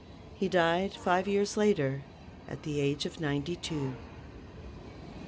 He died five years later, at the age of ninety two.